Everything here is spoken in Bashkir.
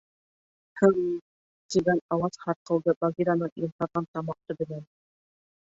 — Һы-ым-м, — тигән ауаз һарҡылды Багираның йомшарған тамаҡ төбөнән.